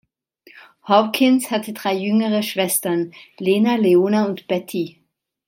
Hawkins hatte drei jüngere Schwestern, Lena, Leona und Betty.